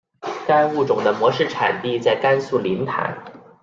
该物种的模式产地在甘肃临潭。